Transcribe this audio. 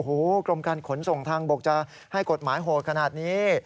โอ้โหกรมการขนส่งทางบกจะให้กฎหมายโหดขนาดนี้